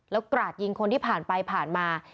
แล้วกราดยิงคนที่ผ่านไปผ่านมา